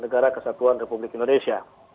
negara kesatuan republik indonesia